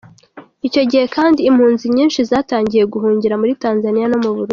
Icyo gihe kandi, impunzi nyinshi zatangiye guhungira muri Tanzania no mu Burundi.